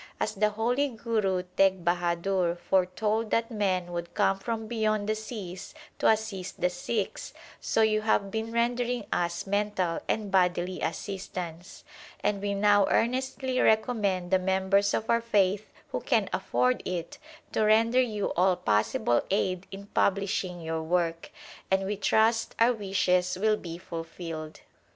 As the holy Guru Teg Bahadur foretold that men would come from beyond the seas to assist the Sikhs, so you have been rendering us mental and bodily assistance ; and we now earnestly recommend the members of our faith, who can afford it, to render you all possible aid in publishing your work, and we trust our wishes will be fulfilled.